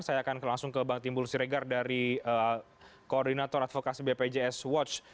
saya akan langsung ke bang timbul siregar dari koordinator advokasi bpjs watch